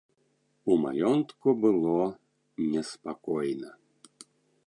У маёнтку было неспакойна.